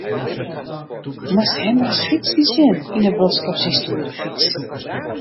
Moatst him ris fytsen sjen yn 'e bosk op syn stoere fyts.